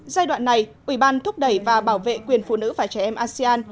giai đoạn này ủy ban thúc đẩy và bảo vệ quyền phụ nữ và trẻ em asean